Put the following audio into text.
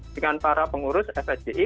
dengan para pengurus fsgi